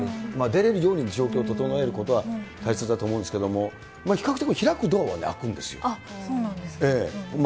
出れるように状況を整えることは大切だと思うんですけれども、そうなんですね。